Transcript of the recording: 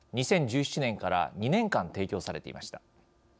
２０１７年から２年間提供されていました。